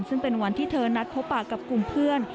ซึ่งเป็นวันที่เธอนัดพบปากกับกลุ่มเพื่อน